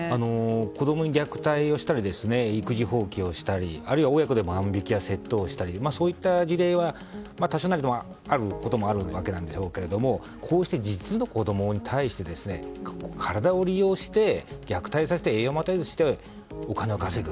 子供に虐待をしたり育児放棄をしたりあるいは親子で万引きや窃盗をしたりそういった事例は多少なりあることもあるでしょうがこうして実の子供に対して体を利用して虐待させて栄養も与えずにお金を稼ぐ。